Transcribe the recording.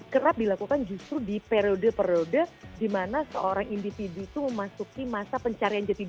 kerap dilakukan justru di periode periode di mana seorang individu itu memasuki masa pencarian jadi